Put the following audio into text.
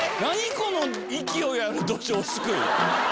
この勢いあるどじょうすくい。